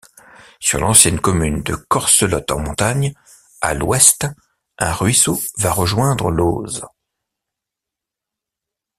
Sur l'ancienne commune de Corcelotte-en-Montagne, à l'ouest, un ruisseau va rejoindre l'Oze.